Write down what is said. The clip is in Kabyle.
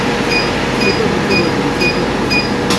Ttagadent ad rekbent asafag.